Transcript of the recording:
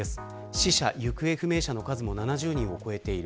死者、行方不明者の数も７０人を超えている。